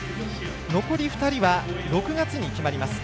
残り２人は、６月に決まります。